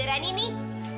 ma ada rani nih